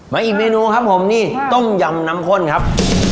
อีกเมนูครับผมนี่ต้มยำน้ำข้นครับ